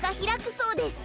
そうです。